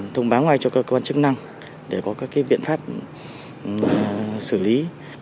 thông báo ngoài cho cơ quan chức năng để có các viện pháp xử lý